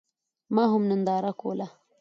ما هم ننداره کوله.